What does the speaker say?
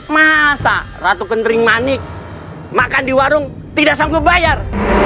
masa ratu kendering manik makan di warung tidak sanggup bayar